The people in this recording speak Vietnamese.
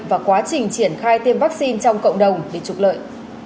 và quá trình triển khai tiêm vaccine trong cộng đồng để trục lợi